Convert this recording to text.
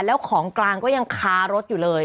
แล้วของกลางก็ยังคารถอยู่เลย